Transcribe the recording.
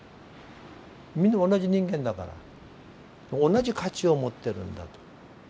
みんな同じ人間だから同じ価値を持ってるんだと。